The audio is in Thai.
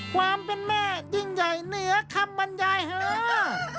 ความเป็นแม่ยิ่งใหญ่เหนือคำบรรยายเหอะ